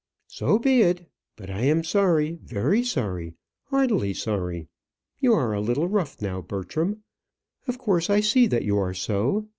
"So be it. But I am sorry, very sorry; heartily sorry. You are a little rough now, Bertram. Of course I see that you are so.